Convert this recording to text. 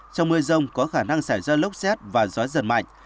trong mưa rông có khả năng xảy ra lốc xét và gió giật mạnh